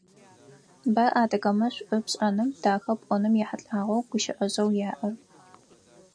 Бэ адыгэмэ шӏу пшӏэным, дахэ пӏоным ехьылӏагъэу гущыӏэжъэу яӏэр.